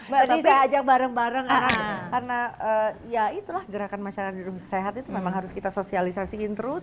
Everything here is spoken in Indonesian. jadi saya ajak bareng bareng karena ya itulah gerakan masyarakat hidup sehat itu memang harus kita sosialisasikan terus